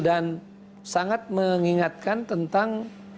dan sangat mengingatkan tentang